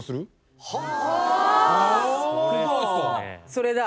それだ。